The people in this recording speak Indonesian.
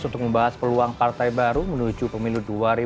untuk membahas peluang partai baru menuju pemilu dua ribu dua puluh